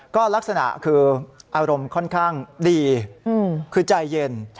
ก็ลักษณะคืออารมณ์ค่อนข้างดีคือใจเย็น